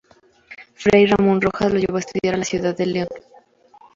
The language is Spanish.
Fray Ramón Rojas lo llevó a estudiar a la ciudad de León.